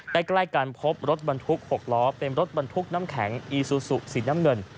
ใกล้กันพบรถบรรทุก๖ล้อเป็นรถบรรทุกน้ำแข็งอีซูซูสีน้ำเงิน